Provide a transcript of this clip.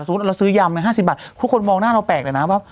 เราซื้อยำ๕๐บาททุกคนมองหน้าเราแปลกเลยนะว่า